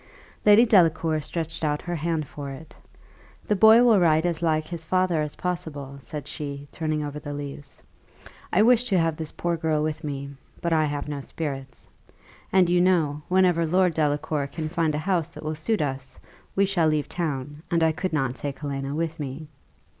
Lady Delacour stretched out her hand for it. "The boy will write as like his father as possible," said she, turning over the leaves. "I wish to have this poor girl with me but I have no spirits. And you know, whenever Lord Delacour can find a house that will suit us, we shall leave town, and I could not take Helena with me.